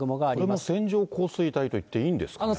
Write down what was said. これも線状降水帯といっていいんですかね。